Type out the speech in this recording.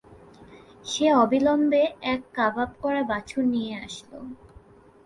সে অবিলম্বে এক কাবাব করা বাছুর নিয়ে আসল।